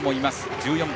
１４番。